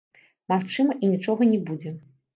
Магчыма, і нічога не будзе.